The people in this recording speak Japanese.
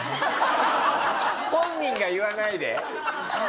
本人が言わないで。